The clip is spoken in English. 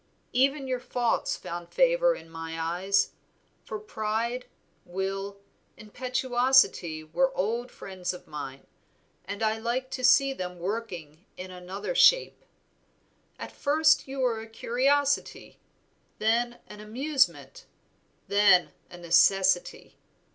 Even your faults found favor in my eyes; for pride, will, impetuosity were old friends of mine, and I liked to see them working in another shape. At first you were a curiosity, then an amusement, then a necessity.